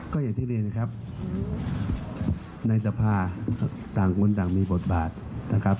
ก็อย่างที่เรียนครับในสภาต่างคนต่างมีบทบาทนะครับ